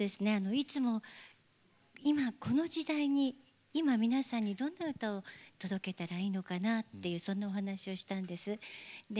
いつも、今この時代に今、皆さんにどんな歌を届けたらいいのかなというそんなお話をしたんです。